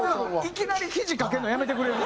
いきなりひじ掛けるのやめてくれる？